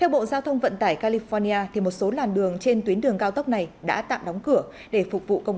và một xe bán tải đi theo hướng bắc đã đâm và giải phóng